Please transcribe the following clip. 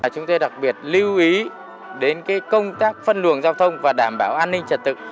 chúng tôi đặc biệt lưu ý đến công tác phân luồng giao thông và đảm bảo an ninh trật tự